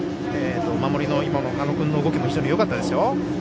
守りの土野君の動きも非常によかったですよ。